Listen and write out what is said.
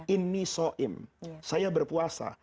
ini soim saya berpuasa